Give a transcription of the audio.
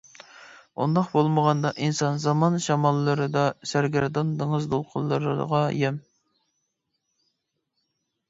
ئۇنداق بولمىغاندا، ئىنسان زامان شاماللىرىدا سەرگەردان، دېڭىز دولقۇنلىرىغا يەم.